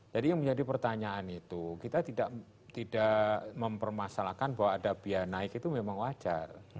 jadi yang menjadi pertanyaan itu kita tidak mempermasalahkan bahwa ada biaya naik itu memang wajar